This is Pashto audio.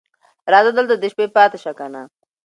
راځه دلته د شپې پاتې شه کنه